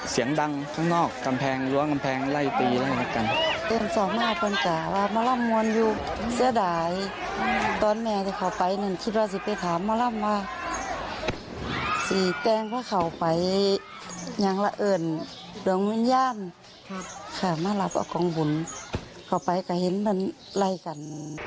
เสียงดังข้างนอกกำแพงล้วงกำแพงไล่ตีอะไรอย่างนี้